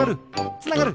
つながる！